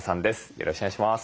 よろしくお願いします。